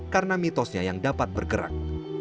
karena mitosnya yang dapat bergerak